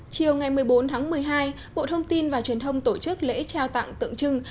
chiều ngày một mươi bốn tháng một mươi hai bộ thông tin và truyền thông tổ chức lễ trao tặng tượng trưng